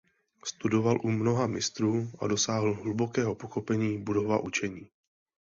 Studoval u mnoha mistrů a dosáhl hlubokého pochopení Buddhova učení.